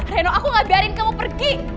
reno aku gak biarin kamu pergi